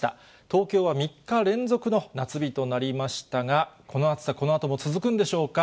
東京は３日連続の夏日となりましたが、この暑さ、このあとも続くんでしょうか。